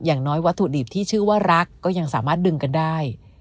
อย่างน้อยวัตถุดิบที่ชื่อว่ารักก็ยังสามารถดึงกันได้